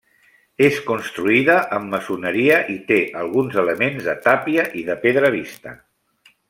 És construïda amb maçoneria i té alguns elements de tàpia i de pedra vista.